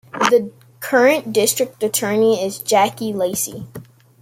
The current district attorney is Jackie Lacey.